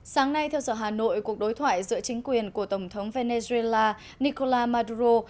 sáng nay theo sở hà nội cuộc đối thoại giữa chính quyền của tổng thống venezuela nicolás maduro